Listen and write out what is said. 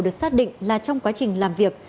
được xác định là trong quá trình làm việc